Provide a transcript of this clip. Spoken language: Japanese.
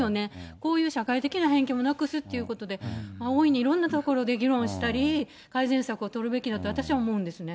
こういう社会的な偏見をなくすということで、大いにいろんなところで議論したり改善策を取るべきだと、私は思うんですね。